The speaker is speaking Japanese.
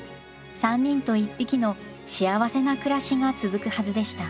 ３人と１匹の幸せな暮らしが続くはずでした。